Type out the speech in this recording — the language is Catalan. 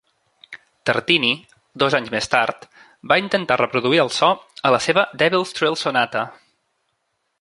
Tartini, dos anys més tard, va intentar reproduir el so a la seva "Devil's Trill Sonata".